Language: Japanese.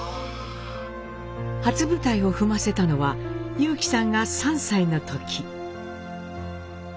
初舞台を踏ませたのは裕基さんが３歳の時。